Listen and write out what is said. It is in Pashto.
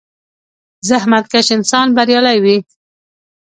• زحمتکش انسان بریالی وي.